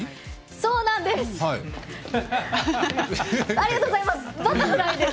そうなんです！